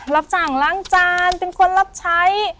รับสั่งล้างจานเป็นคนรับใช้